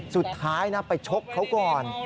สุดท้ายนะไปชกเขาก่อน